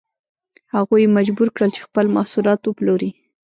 هغوی یې مجبور کړل چې خپل محصولات وپلوري.